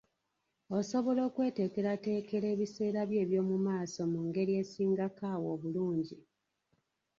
Osobola okweteekerateekera ebiseera byo eby’omu maaso mu ngeri esingako awo obulungi.